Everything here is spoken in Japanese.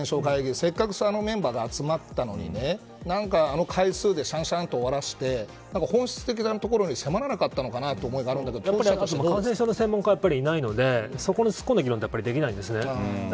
せっかく、あのメンバーで集まったのにねあの回数でしゃんしゃん、と終わらせて本質的なところに迫らなかったのかなとやっぱり感染症の専門家がいないのでそこに突っ込んだ議論ができないんですね。